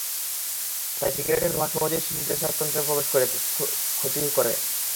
তাই সিগারেটের ধোঁয়া সহজেই শিশুদের শ্বাসতন্ত্রে প্রবেশ করে সমূহ ক্ষতি করে।